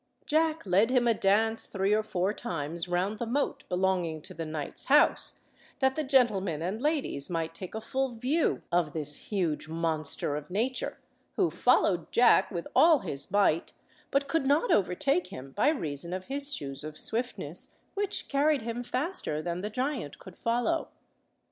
Jack led him a dance three or four times round the moat belonging to the knight's house, that the gentlemen and ladies might take a full view of this huge monster of nature, who followed Jack with all his might, but could not overtake him by reason of his shoes of swiftness, which carried him faster than the giant could follow.